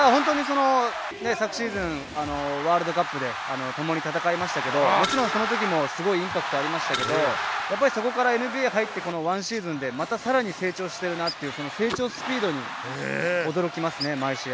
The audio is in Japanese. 昨シーズン、ワールドカップでともに戦いましたが、その時もすごいインパクトがありましたが、そこからＮＢＡに入って、ワンシーズンでさらに成長しているなという、成長スピードに驚きますね、毎試合。